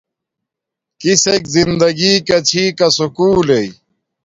کسک زندگی کا چھی کا سکُولݵ